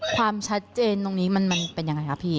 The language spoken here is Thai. ความชัดเจนตรงนี้มันเป็นยังไงคะพี่